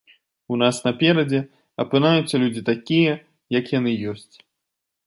У нас наперадзе апынаюцца людзі такія, як яны ёсць.